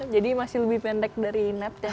jadi masih lebih pendek dari net